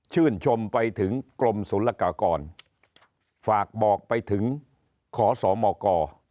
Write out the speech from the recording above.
ชื่นชมไปถึงกรมศูนย์รักษากรฝากบอกไปถึงขอสอหมอกอร์